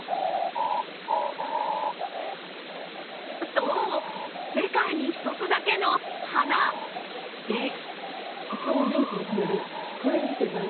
そう、「世界に一つだけの鼻」です。